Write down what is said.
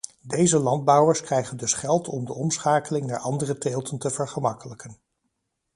Deze landbouwers krijgen dus geld om de omschakeling naar andere teelten te vergemakkelijken.